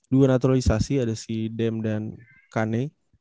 dua naturalisasi ada si dem dan kane